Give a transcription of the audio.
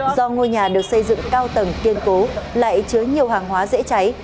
do ngôi nhà được xây dựng cao tầng kiên cố lại chứa nhiều hàng hóa dễ cháy